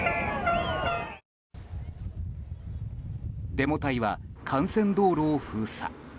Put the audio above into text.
デモ隊は幹線道路を封鎖。